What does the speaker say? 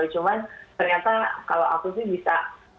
cuman ternyata kalau aku sih bisa